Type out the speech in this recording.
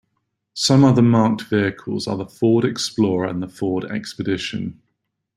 Some other marked vehicles are the Ford Explorer and Ford Expedition.